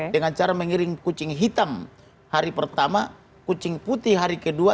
dengan cara mengiring kucing hitam hari pertama kucing putih hari kedua